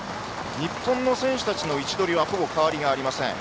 日本の選手たちの位置取りはほぼ変わりがありません。